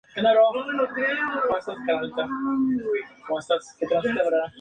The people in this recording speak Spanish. Las flores son de color azul o blanco.